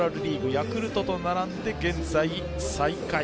ヤクルトと並んで現在、最下位。